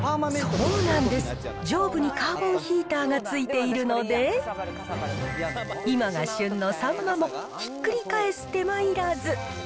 そうなんです、上部にカーボンヒーターが付いているので、今が旬のサンマもひっくり返す手間いらず。